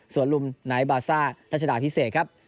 ส่วนลุมไนท์บาซ่ารัชดาพิเศษครับ